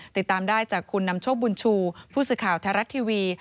ติดตามได้จากคุณนำโชคบุญชูผู้สื่อข่าวไทยรัฐทีวี